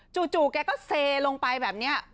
แกก็เซลงไปแบบนี้